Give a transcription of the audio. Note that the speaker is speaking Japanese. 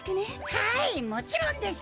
はいもちろんです。